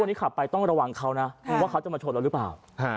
ที่ขับไปต้องระวังเขานะว่าเขาจะมาชนเราหรือเปล่า